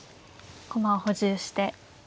駒を補充して。